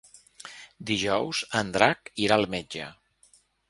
Dijous en Drac irà al metge.